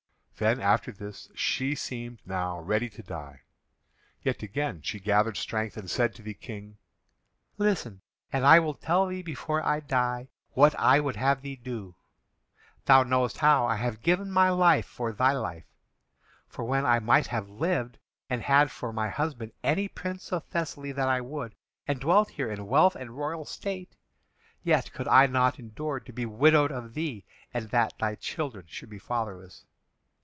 '" Then, after this, she seemed now ready to die, yet again she gathered strength, and said to the King: "Listen, and I will tell thee before I die what I would have thee do. Thou knowest how I have given my life for thy life. For when I might have lived, and had for my husband any prince of Thessaly that I would, and dwelt here in wealth and royal state, yet could I not endure to be widowed of thee and that thy children should be fatherless.